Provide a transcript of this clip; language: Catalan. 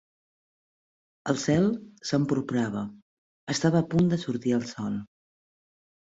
El cel s'emporprava: estava a punt de sortir el sol.